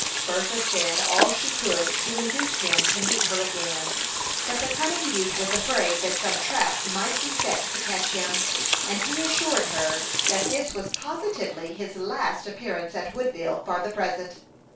Bertha said all she could to induce him to meet her again; but the cunning youth was afraid that some trap might be set to catch him, and he assured her that this was positively his last appearance at Woodville for the present.